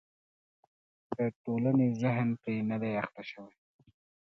د ټولنې ذهن پرې نه دی اخته شوی.